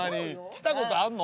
来たことあんの？